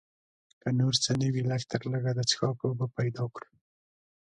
که نور څه نه وي لږ تر لږه د څښاک اوبه پیدا کړو.